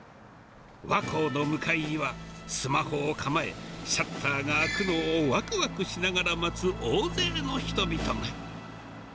和光の向かいには、スマホを構え、シャッターが開くのをわくわくしながら待つ大勢の人々が。